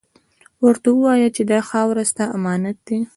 ورته ووایه چې دا خاوره ، ستا امانت ده.